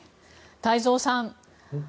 太蔵さん